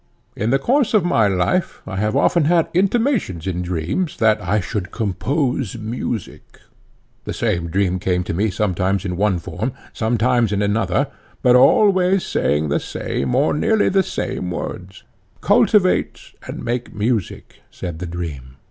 In the course of my life I have often had intimations in dreams 'that I should compose music.' The same dream came to me sometimes in one form, and sometimes in another, but always saying the same or nearly the same words: 'Cultivate and make music,' said the dream.